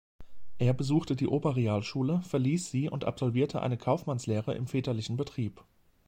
Er besuchte die Oberrealschule, verließ sie und absolvierte eine Kaufmannslehre im väterlichen Betrieb.